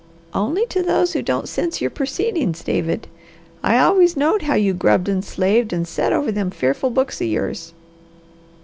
"Only to those who don't sense your purceedings, David. I always knowed how you grubbed and slaved an' set over them fearful books o' yours."